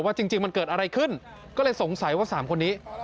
ว่าจริงจริงมันเกิดอะไรขึ้นก็เลยสงสัยว่าสามคนนี้